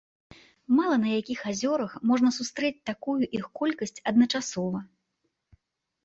Мала на якіх азёрах можна сустрэць такую іх колькасць адначасова.